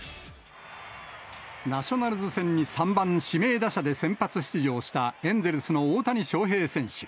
ナショナルズ戦に３番指名打者で先発出場したエンゼルスの大谷翔平選手。